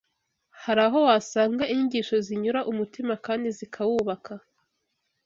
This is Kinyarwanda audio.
hari aho wasanga inyigisho zinyura umutima kandi zikawubaka